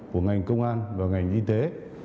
của ngành công an và ngành y tế